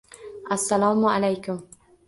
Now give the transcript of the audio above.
Assalomu alaykum.